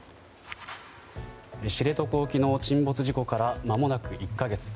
知床沖の沈没事故からまもなく１か月。